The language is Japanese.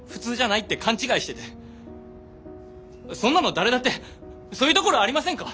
そんなの誰だってそういうところありませんか？